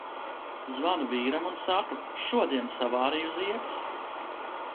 Zvanu vīram un saku: "Šodien savārīju ziepes!"